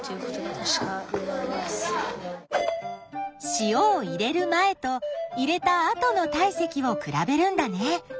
塩を入れる前と入れた後の体積を比べるんだね。